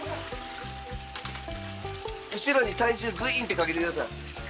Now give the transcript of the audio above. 後ろに体重グイーンってかけてください。